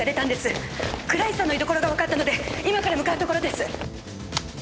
倉石さんの居所がわかったので今から向かうところです！